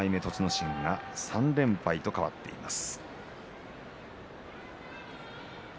心が３連敗と変わっています。